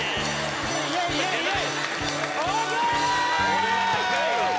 これは高いわ